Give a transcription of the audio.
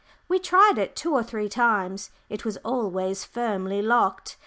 We tried it two or three times; it was always firmly locked.